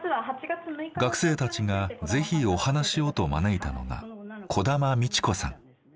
学生たちが是非お話をと招いたのが児玉三智子さん。